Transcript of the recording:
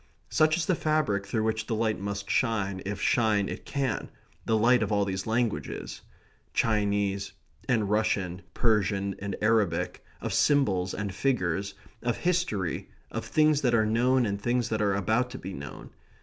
Such is the fabric through which the light must shine, if shine it can the light of all these languages, Chinese and Russian, Persian and Arabic, of symbols and figures, of history, of things that are known and things that are about to be known.